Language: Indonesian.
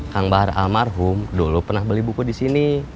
kang bahar almarhum dulu pernah beli buku di sini